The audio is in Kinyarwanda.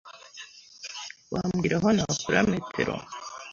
Wambwira aho nakura metero?